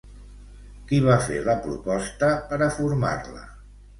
Qui va fer la proposta per a formar-la?